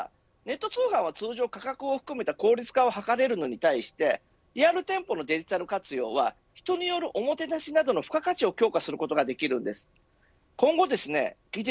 今回、小売りにおけるデジタル活用ではネット通販が、価格を含めた効率化を図れるのに対してリアル店舗のデジタル活用は人によるおもてなしなどの付加価値を強化することができるんです。